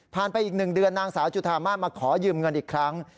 ไปอีก๑เดือนนางสาวจุธามาขอยืมเงินอีกครั้ง